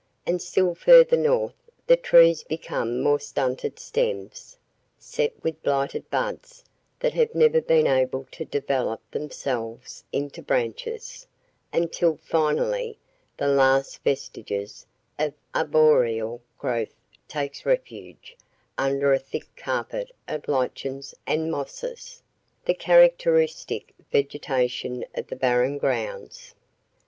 And still further north the trees become mere stunted stems, set with blighted buds that have never been able to develop themselves into branches; until, finally, the last vestiges of arboreal growth take refuge under a thick carpet of lichens and mosses, the characteristic vegetation of the Barren Grounds.